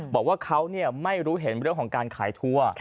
บอกว่าเขาไม่รู้เห็นเรื่องของการขายทัวร์